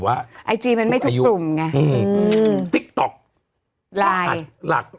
ไอจีติ๊กต๊อก